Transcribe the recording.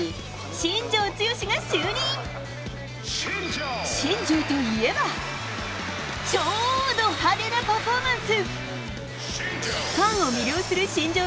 新庄といえば超ド派手なパフォーマンス。